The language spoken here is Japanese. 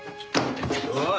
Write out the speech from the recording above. おい！